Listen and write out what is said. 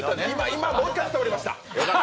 今、もう一回、伝わりました。